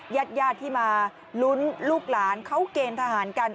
ญาติญาติที่มาลุ้นลูกหลานเขาเกณฑ์ทหารกัน